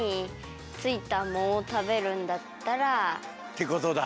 てことだ。